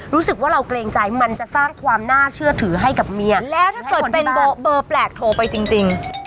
รู้สึกว่าเราเกรงใจมันจะสร้างความน่าเชื่อถือให้กับเมียแล้วถ้าเกิดเป็นเบอร์แปลกโทรไปจริงจริง